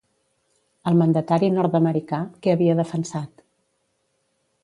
El mandatari nord-americà, què havia defensat?